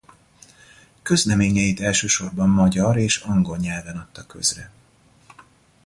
Közleményeit elsősorban magyar és angol nyelven adta közre.